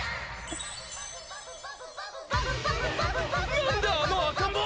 「何だあの赤ん坊。